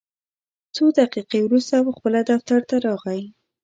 څو دقیقې وروسته پخپله دفتر ته راغی.